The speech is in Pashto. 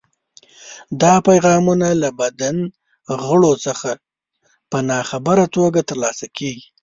دا پیغامونه له بدن غړو څخه په ناخبره توګه ترلاسه کېږي.